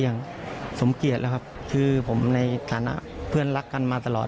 อย่างสมเกียจแล้วครับคือผมในฐานะเพื่อนรักกันมาตลอด